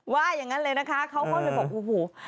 ว่าอย่างนั้นเลยนะคะเขาก็เลยบอกโอ้โห